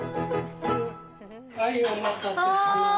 はい、お待たせしました。